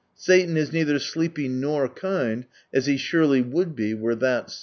Satan is neither sleepy nor kind, as he surely would be, were that so.